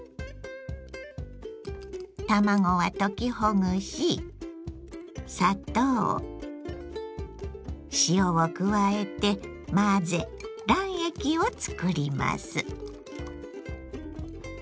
卵は溶きほぐし砂糖塩を加えて混ぜ卵液を作ります。